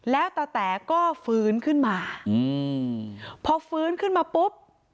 แล้วตาแต๋ก็ฟื้นขึ้นมาอืมพอฟื้นขึ้นมาปุ๊บ